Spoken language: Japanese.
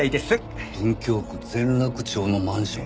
文京区前楽町のマンション。